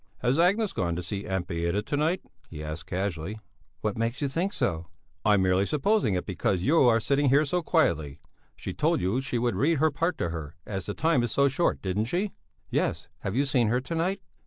"Has Agnes gone to see Aunt Beata to night?" he asked casually. "What makes you think so?" "I'm merely supposing it because you are sitting here so quietly. She told you she would read her part to her, as the time is so short, didn't she?" "Yes; have you seen her to night?"